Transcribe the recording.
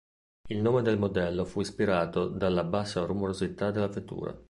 Il nome del modello fu ispirato dalla bassa rumorosità della vettura.